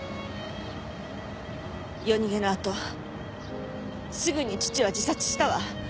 夜逃げのあとすぐに父は自殺したわ。